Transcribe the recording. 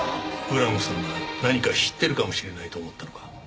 浦野さんが何か知ってるかもしれないと思ったのか？